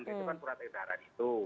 kecepatan peraturan itu